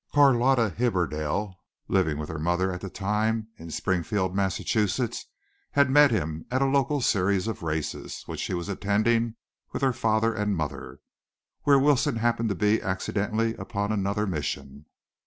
Carlotta Hibberdell, living with her mother at that time in Springfield, Massachusetts, had met him at a local series of races, which she was attending with her father and mother, where Wilson happened to be accidentally upon another mission.